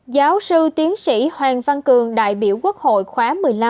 giáo sư tiến sĩ hoàng văn cường đại biểu quốc hội khóa một mươi năm